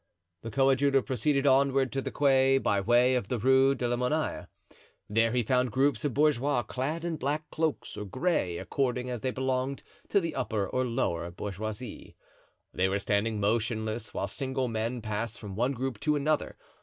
The coadjutor proceeded onward to the quay by way of the Rue de la Monnaie; there he found groups of bourgeois clad in black cloaks or gray, according as they belonged to the upper or lower bourgeoisie. They were standing motionless, while single men passed from one group to another.